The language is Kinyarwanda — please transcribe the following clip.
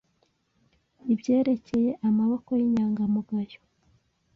Ibyerekeye amaboko y'inyangamugayo? ”